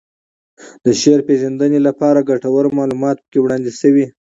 د شعر پېژندنې لپاره ګټور معلومات پکې وړاندې شوي